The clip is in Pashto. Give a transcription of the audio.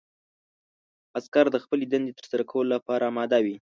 عسکر د خپلې دندې ترسره کولو لپاره اماده وي.